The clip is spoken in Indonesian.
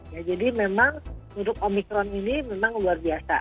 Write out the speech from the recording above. ya jadi memang untuk omikron ini memang luar biasa